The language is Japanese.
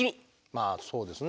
まあそうですね。